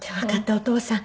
お義父さん